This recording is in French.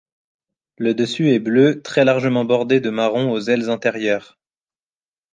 Le dessus est bleu très largement bordé de marron aux ailes antérieures.